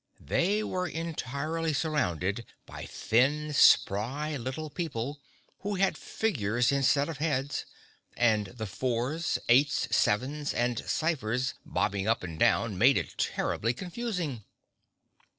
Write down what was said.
They were entirely surrounded by thin, spry little people, who had figures instead of heads, and the fours, eights, sevens and ciphers bobbing up and down made it terribly confusing.